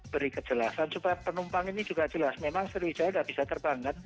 beri kejelasan supaya penumpang ini juga jelas memang sriwijaya nggak bisa terbang kan